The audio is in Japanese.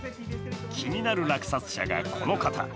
気になる落札者がこの方。